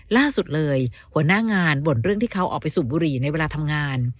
ล่าสุดเลยหัวหน้างานบ่นเรื่องที่เขาออกไปสูบบุหรี่ในเวลาทำงาน